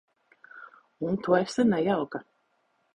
Un tu esi nejauka.